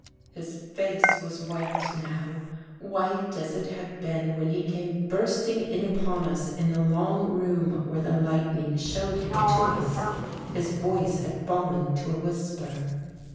His face was white now — white as it had been when he came bursting in upon us in the long room when the lightning showed him to us. His voice had fallen to a whisper.